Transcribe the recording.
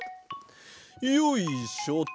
よいしょと。